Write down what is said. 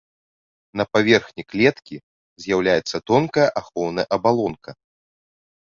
На паверхні клеткі з'яўляецца тонкая ахоўная абалонка.